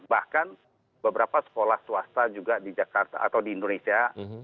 bahkan beberapa sekolah swasta juga di jakarta atau di indonesia